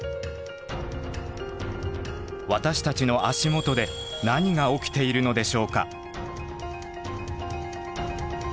私たちの足元で何が起きているのでしょうか？